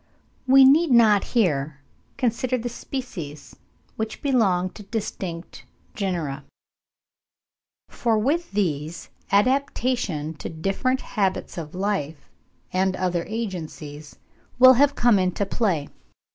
We need not here consider the species which belong to distinct genera; for with these, adaptation to different habits of life, and other agencies, will have come into play.